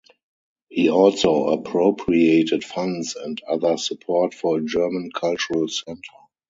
He also appropriated funds and other support for a German cultural center.